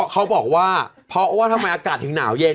เขาบอกว่าเพราะว่าทำไมอากาศถึงหนาวเย็น